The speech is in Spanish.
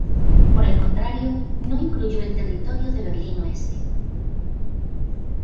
Por el contrario, no incluyó el territorio de Berlín Oeste.